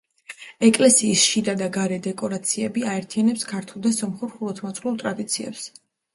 ეკლესიის შიდა და გარე დეკორაციები აერთიანებს ქართულ და სომხურ ხუროთმოძღვრულ ტრადიციებს.